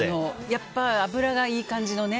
やっぱり、脂がいい感じのね。